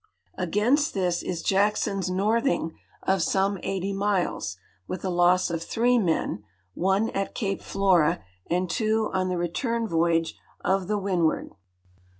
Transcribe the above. Against this is Jackson's northing of some 80 miles, with a loss of three men, one at cape Flora and two on the return voyage of the Windward.